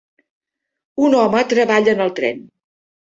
Un home treballa en el tren